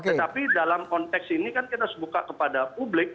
tetapi dalam konteks ini kan kita harus buka kepada publik